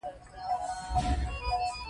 ویده خوب له هر چا سره ملګری دی